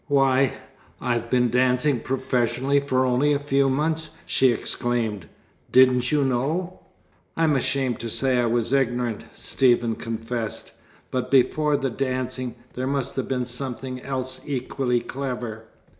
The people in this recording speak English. "Why, I've been dancing professionally for only a few months!" she exclaimed. "Didn't you know?" "I'm ashamed to say I was ignorant," Stephen confessed. "But before the dancing, there must have been something else equally clever.